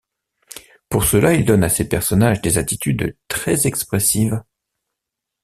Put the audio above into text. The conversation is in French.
Pour cela, il donne à ses personnages des attitudes très expressives.